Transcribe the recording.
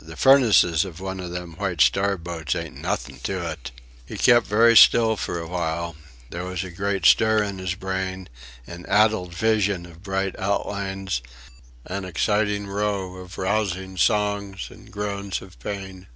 The furnaces of one of them White Star boats ain't nothing to it." He kept very quiet for a while. There was a great stir in his brain; an addled vision of bright outlines; an exciting row of rousing songs and groans of pain.